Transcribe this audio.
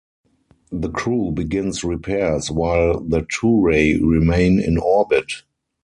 The crew begins repairs while the Turei remain in orbit.